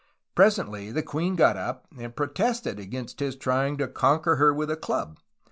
Presently the queen got up and pro tested against his trying to conquer her "with a club.''